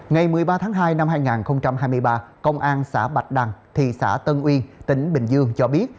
ngày một mươi ba tháng hai năm hai nghìn hai mươi ba công an xã bạch đằng thị xã tân uyên tỉnh bình dương cho biết